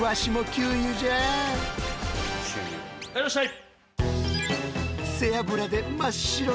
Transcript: はいいらっしゃい。